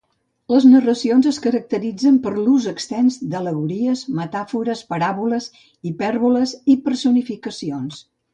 Les narracions es caracteritzen per l'ús extens d'al·legories, metàfores, paràboles, hipèrboles i personificacions.